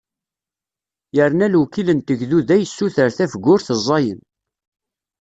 Yerna lewkil n tegduda yessuter tafgurt ẓẓayen.